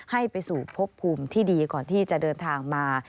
ให้ไปสู่พบภูมิที่ดีก่อนที่จะเดินทางมา